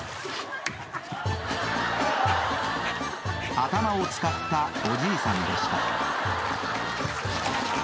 ［頭を使ったおじいさんでした］